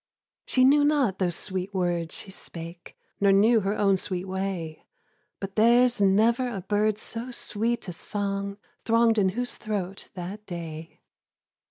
She knew not those sweet words she spake, Nor knew her own sweet way; But there's never a bird so sweet a song Thronged in whose throat that day!